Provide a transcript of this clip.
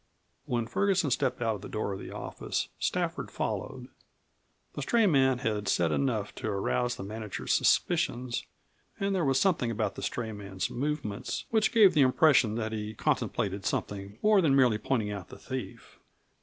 When Ferguson stepped out of the door of the office, Stafford followed. The stray man had said enough to arouse the manager's suspicions, and there was something about the stray man's movements which gave the impression that he contemplated something more than merely pointing out the thief.